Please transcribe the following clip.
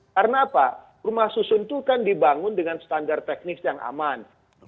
karena apa rumah susun itu kan dibangun dengan standar teknis yang aman